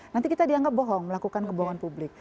nanti kita dianggap bohong melakukan kebohongan publik